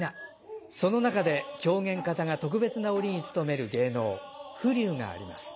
その中で狂言方が特別な折につとめる芸能「風流」があります。